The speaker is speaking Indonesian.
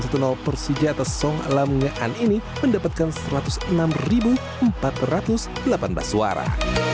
satu persija atas song lamungyaan ini mendapatkan satu ratus enam empat ratus delapan belas suara